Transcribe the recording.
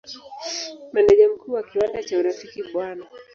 Meneja Mkuu wa kiwanda cha Urafiki Bw.